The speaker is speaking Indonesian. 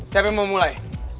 siapa yang mau mulai